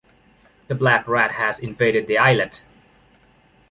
The black rat has invaded the islet.